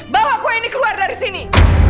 bawa kue ini keluar dari sini